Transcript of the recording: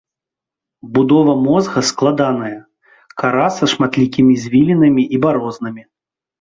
Будова мозга складаная, кара са шматлікімі звілінамі і барознамі.